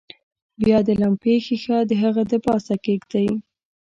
بیا د لمپې ښيښه د هغه د پاسه کیږدئ.